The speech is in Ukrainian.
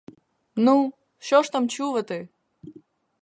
Ну, що ж там чувати?